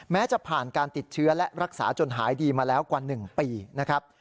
จะผ่านการติดเชื้อและรักษาจนหายดีมาแล้วกว่า๑ปีนะครับ